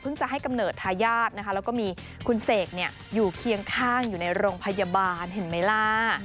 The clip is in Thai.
จะให้กำเนิดทายาทนะคะแล้วก็มีคุณเสกอยู่เคียงข้างอยู่ในโรงพยาบาลเห็นไหมล่ะ